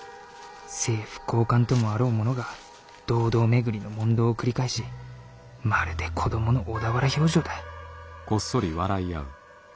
政府高官ともあろうものが堂々巡りの問答を繰り返しまるで子供の小田原評定だ」。